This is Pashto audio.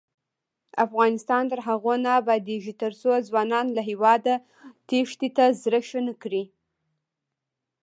افغانستان تر هغو نه ابادیږي، ترڅو ځوانان له هیواده تېښتې ته زړه ښه نکړي.